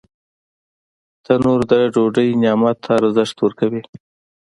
تنور د ډوډۍ نعمت ته ارزښت ورکوي